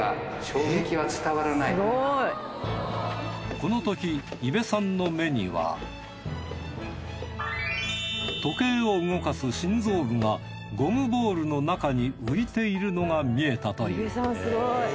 このとき伊部さんの目には時計を動かす心臓部がゴムボールの中に浮いているのが見えたという。